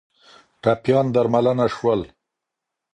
ټپیان درملنه شول